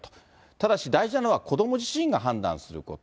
ただし、大事なのは子ども自身が判断すること。